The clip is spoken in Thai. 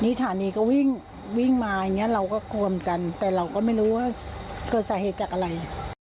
สถานีก็วิ่งวิ่งมาอย่างเงี้เราก็กวนกันแต่เราก็ไม่รู้ว่าเกิดสาเหตุจากอะไร